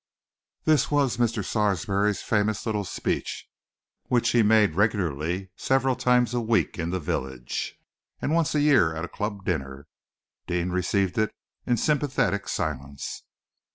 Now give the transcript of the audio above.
This was Mr. Sarsby's favorite little speech, which he made regularly several times a week in the village, and once a year at a club dinner. Deane received it in sympathetic silence.